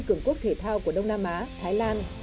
cường quốc thể thao của đông nam á thái lan